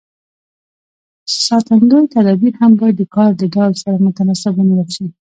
ساتندوی تدابیر هم باید د کار د ډول سره متناسب ونیول شي.